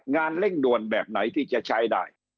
เร่งด่วนแบบไหนที่จะใช้ได้